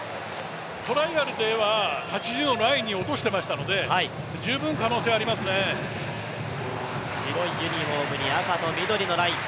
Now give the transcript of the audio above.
トライアルでは８０のラインに落としていましたので、白いユニフォームに赤と緑のライン。